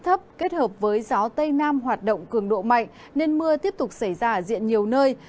thấp kết hợp với gió tây nam hoạt động cường độ mạnh nên mưa tiếp tục xảy ra ở diện nhiều nơi